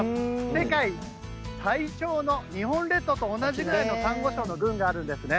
世界最長の日本列島と同じぐらいのサンゴ礁の群があるんですね。